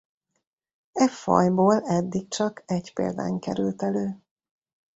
E fajból eddig csak egy példány került elő.